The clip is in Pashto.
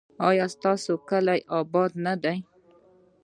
ایا ستاسو کلی اباد نه دی؟